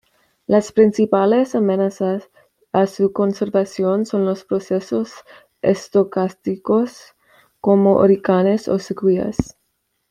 Las principales amenazas a su conservación son los procesos estocásticos, como huracanes o sequías.